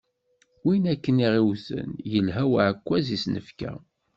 Win akken i ɣ-yewten, yelha uɛekkaz i s-nefka.